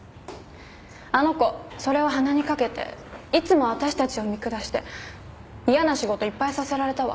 あの子それを鼻にかけていつも私達を見下して嫌な仕事いっぱいさせられたわ。